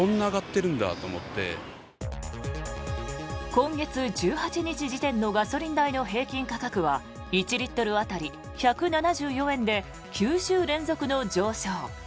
今月１８日時点のガソリン代の平均価格は１リットル当たり１７４円で９週連続の上昇。